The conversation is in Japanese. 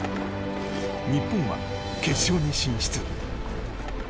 日本は、決勝に進出。